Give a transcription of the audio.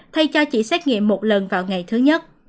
thay cho chỉ xét nghiệm một lần vào ngày thứ nhất